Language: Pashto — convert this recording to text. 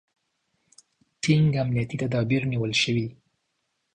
ټینګ امنیتي تدابیر نیول شوي.